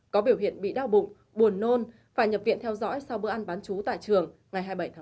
có biểu hiện bị đau bụng buồn nôn phải nhập viện theo dõi sau bữa ăn bán chú tại trường ngày hai mươi bảy tháng bốn